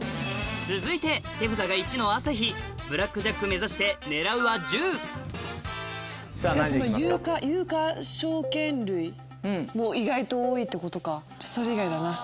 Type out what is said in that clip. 続いて手札が１の朝日ブラックジャック目指して狙うは１０じゃあその有価証券類も意外と多いってことかそれ以外だな。